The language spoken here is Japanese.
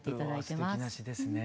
すてきな詞ですね。